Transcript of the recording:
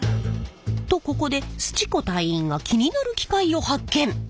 とここですち子隊員が気になる機械を発見。